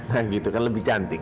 nah gitu kan lebih cantik